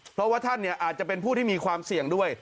เพราะว่าท่านอาจจะเป็นผู้ที่มีความเสี่ยงด้วย